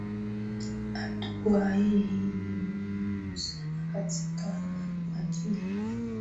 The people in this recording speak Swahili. hatua hii ni muhimu sana katika jamii yetu